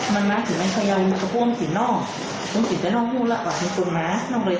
เพราะว่าถ้าข้อม้านนะ๑๔๖๔๒